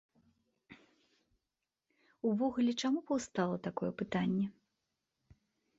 Увогуле чаму паўстала такое пытанне?